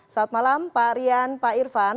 selamat malam pak rian pak irfan